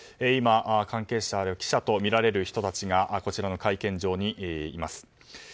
今、関係者記者とみられる人たちがこちらの会見場にいます。